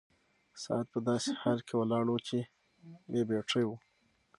ساعت په داسې حال کې ولاړ و چې بې بيټرۍ و.